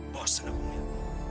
bosan aku mil